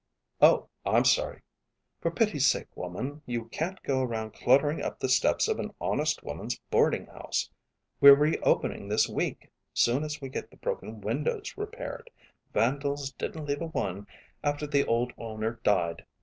"Oh, I'm sorry." "For pity's sake, woman, you can't go around cluttering up the steps of an honest woman's boarding house. We're re opening this week, soon as we get the broken windows repaired. Vandals didn't leave a one, after the old owner died.